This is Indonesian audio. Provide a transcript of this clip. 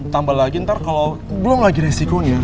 tambah lagi ntar kalo belum lagi resiko nih ya